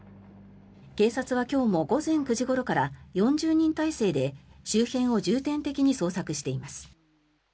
警察は今日も午前９時ごろから４０人態勢で周辺を重点的に捜索しています。